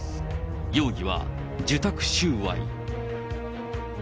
容疑は受託収賄。